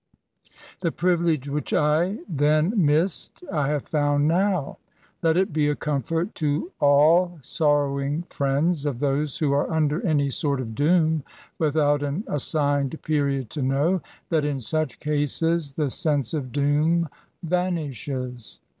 The priyilege which I then missed I have found now. Let it be a comfort to all sorrowing friends of those who are under any sort of doom without an assigned period to know, that in such cases the sense of doom yanishes.